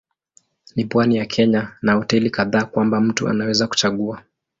Ni pwani ya Kenya na hoteli kadhaa kwamba mtu anaweza kuchagua.